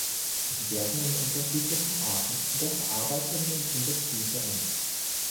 Sie werden in unterschiedlichen Arten der verarbeitenden Industrie verwendet.